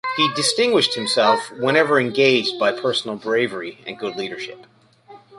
He distinguished himself, whenever engaged, by personal bravery and good leadership.